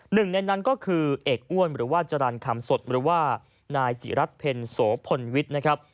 หนึ่งในนั้นก็คือเอกอ้วนหรือว่าจรรย์คำสดหรือว่านายจิรัตนเพ็ญโสพลวิทย์นะครับ